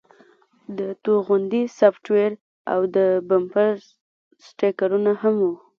د توغندي سافټویر او د بمپر سټیکرونه هم وو